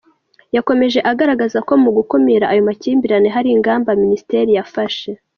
Yakomeje agaragaza ko mu gukumira ayo makimbirane, hari ingamba minisiteri yafashe.